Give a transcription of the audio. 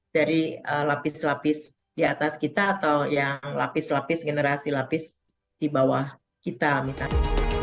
dari lapis lapis di atas kita atau yang lapis lapis generasi lapis di bawah kita misalnya